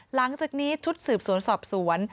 หลังจากนี้ชุดสืบสวนสอบสวน